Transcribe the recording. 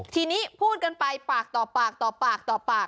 ทีนี้พูดกันไปปากต่อปากต่อปากต่อปาก